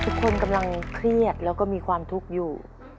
ทุกคนกำลังเครียดแล้วก็มีความทุกข์อยู่